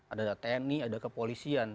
ada tni ada kepolisian